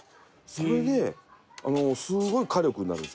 それですごい火力になるんですよね。